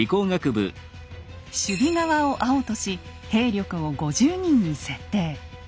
守備側を青とし兵力を５０人に設定。